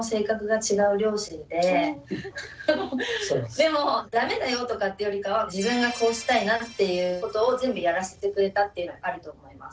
でもダメだよとかっていうよりかは自分がこうしたいなっていうことを全部やらせてくれたっていうのはあると思います。